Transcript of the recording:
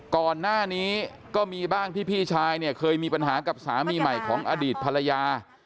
ก่อนหน้านี้ก็มีบ้างพี่ชายเคยมีปัญหากับสามีหน่อยของอดีตภรรยา